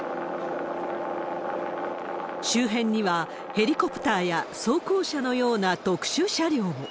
周辺にはヘリコプターや走行車のような特殊車両も。